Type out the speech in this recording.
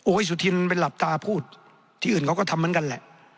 สุธินไปหลับตาพูดที่อื่นเขาก็ทำเหมือนกันแหละ